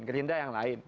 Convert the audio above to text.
gerinda yang lain